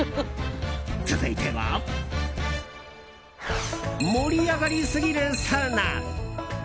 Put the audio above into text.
続いては盛り上がりすぎるサウナ。